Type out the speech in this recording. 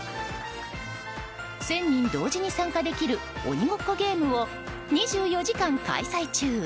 １０００人同時に参加できる鬼ごっこゲームを２４時間開催中。